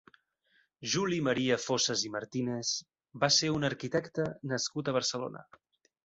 Juli Maria Fossas i Martínez va ser un arquitecte nascut a Barcelona.